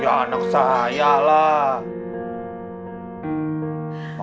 itu anak siapa